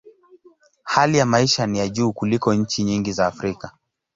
Hali ya maisha ni ya juu kuliko nchi nyingi za Afrika.